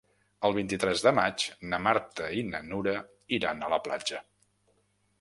El vint-i-tres de maig na Marta i na Nura iran a la platja.